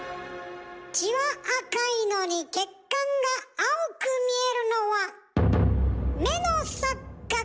血は赤いのに血管が青く見えるのは目の錯覚